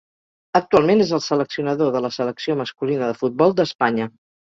Actualment és el seleccionador de la selecció masculina de futbol d'Espanya.